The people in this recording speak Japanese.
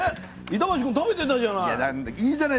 板橋君食べてたじゃない。